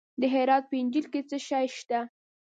د هرات په انجیل کې څه شی شته؟